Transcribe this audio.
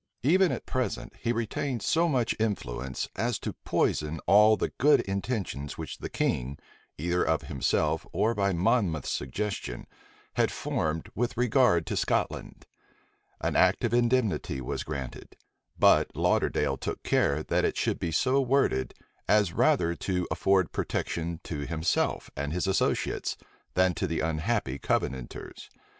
Even at present, he retained so much influence as to poison all the good intentions which the king, either of himself or by Monmouth's suggestion, had formed with regard to Scotland. An act of indemnity was granted; but Lauderdale took care that it should be so worded, as rather to afford protection to himself and his associates, than to the unhappy Covenanters.